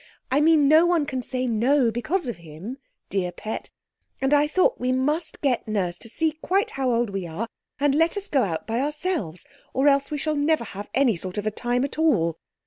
"I mean no one can say 'No' because of him, dear pet. And I thought we must get Nurse to see how quite old we are, and let us go out by ourselves, or else we shall never have any sort of a time at all.